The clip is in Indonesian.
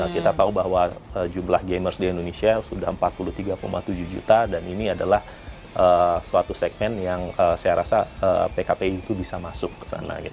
kita tahu bahwa jumlah gamers di indonesia sudah empat puluh tiga tujuh juta dan ini adalah suatu segmen yang saya rasa pkpi itu bisa masuk ke sana